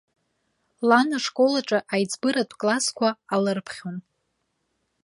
Лан ашкол аҿы аиҵбыратә классқәа алырԥхьон.